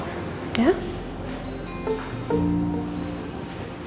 jadi andien yang akan datang mewakili al